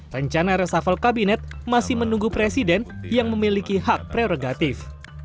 rencana resafel kabinet masih menunggu presiden yang memiliki hak prerogatif